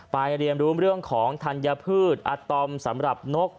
เรียนรู้เรื่องของธัญพืชอาตอมสำหรับนก